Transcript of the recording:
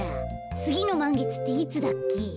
つぎのまんげつっていつだっけ？